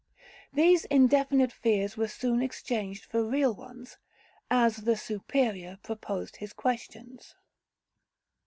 These indefinite fears were soon exchanged for real ones, as the Superior proposed his questions.